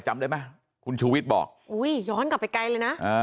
จำได้ไหมคุณชูวิทย์บอกอุ้ยย้อนกลับไปไกลเลยนะ